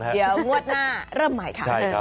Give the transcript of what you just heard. เดี๋ยวงวดหน้าเริ่มใหม่ค่ะ